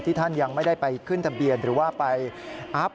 ท่านยังไม่ได้ไปขึ้นทะเบียนหรือว่าไปอัพ